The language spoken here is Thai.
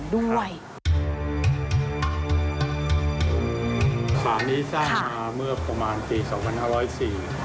สารนี้สร้างมาเมื่อประมาณที่